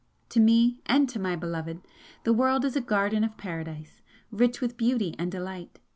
To me, and my Beloved, the world is a garden of paradise rich with beauty and delight.